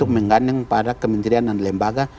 menggandeng pada kementerian dan lembaga